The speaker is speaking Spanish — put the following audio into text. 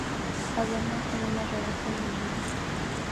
Adornar con una rodaja de limón.